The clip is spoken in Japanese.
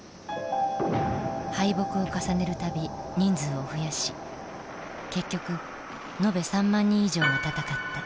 敗北を重ねる度人数を増やし結局延べ３万人以上が戦った。